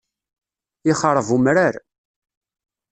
Yexṛeb umrar.